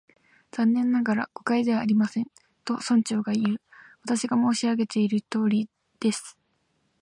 「残念ながら、誤解ではありません」と、村長がいう。「私が申し上げているとおりです」